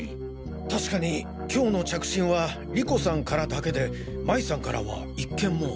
確かに今日の着信は莉子さんからだけで麻衣さんからは１件も。